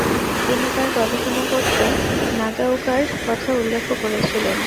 তিনি তার গবেষণাপত্রে নাগাওকার কথা উল্লেখও করেছিলেন।